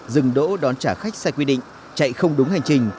dừng đỗ đón trả khách sai quy định chạy không đúng hành trình